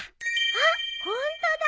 あっホントだ。